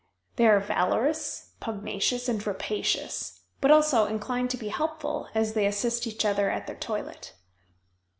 They are valorous, pugnacious, and rapacious, but also inclined to be helpful as they assist each other at their toilet.